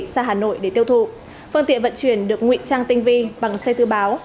phương tiện vật chuyển được nguyễn trang tinh vi bằng xe tư báo